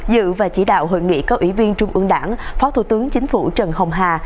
dự và chỉ đạo hội nghị có ủy viên trung ương đảng phó thủ tướng chính phủ trần hồng hà